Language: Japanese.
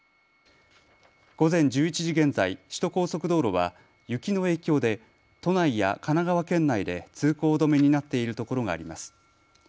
午前１１時現在、首都高速道路は雪の影響で都内や神奈川県内で通行止めになっているところがあります。